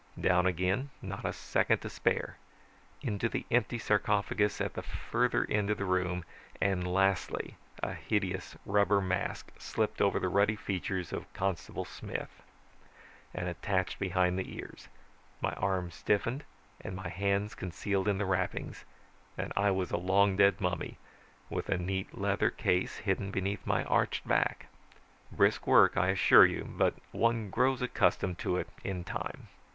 Down again, not a second to spare! Into the empty sarcophagus at the further end of the room; and, lastly, a hideous rubber mask slipped over the ruddy features of Constable Smith and attached behind the ears, my arms stiffened and my hands concealed in the wrappings, and I was a long dead mummy with a neat leather case hidden beneath my arched back!.Brisk work, I assure you; but one grows accustomed to it in time.